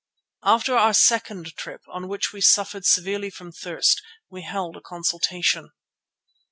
After our second trip, on which we suffered severely from thirst, we held a consultation.